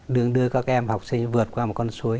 đường đưa các em học sinh vượt qua một con suối